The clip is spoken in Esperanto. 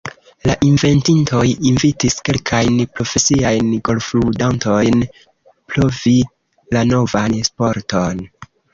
La inventintoj invitis kelkajn profesiajn golfludantojn provi la novan sporton.